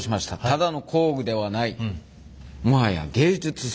ただの工具ではないもはや芸術作品でしたね。